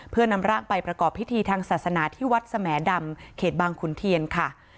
เพื่อนำร่างไปประกอบพิธีทางศาสนาที่วัดสแหมดำเขตบางขุนเทียนค่ะ